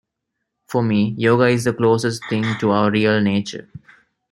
For me, yoga is the closest thing to our real nature.